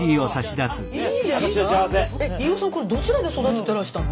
えっ飯尾さんこれどちらで育ててらしたの？